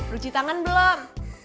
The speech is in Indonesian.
ruci tangan belum